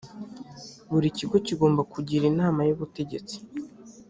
buri kigo kigomba kugira inama y’ubutegetsi